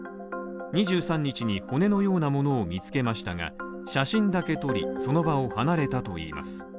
２３日に骨のようなものを見つけましたが写真だけ撮り、その場を離れたといいます。